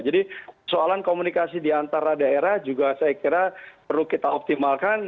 jadi persoalan komunikasi diantara daerah juga saya kira perlu kita optimalkan